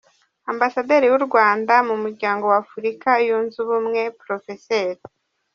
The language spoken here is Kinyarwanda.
Ambasaderi w’u Rwanda mu Muryango wa Afurika yunze Ubumwe, Prof.